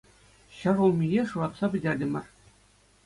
Ҫӗр улмие шуратса пӗтертӗмӗр.